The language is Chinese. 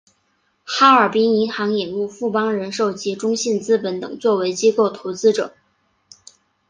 哈尔滨银行引入富邦人寿及中信资本等作为机构投资者。